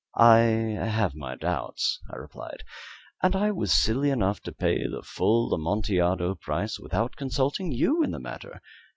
"I have my doubts," I replied; "and I was silly enough to pay the full Amontillado price without consulting you in the matter.